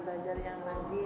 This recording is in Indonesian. belajar yang lanjir